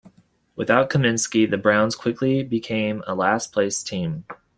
Without Comiskey, the Browns quickly became a last-place team.